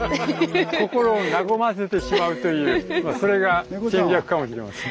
心を和ませてしまうというそれが戦略かもしれません。